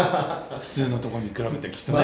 普通のとこに比べてきっとね。